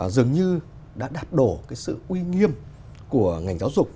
dường như đã đạp đổ sự uy nghiêm của ngành giáo dục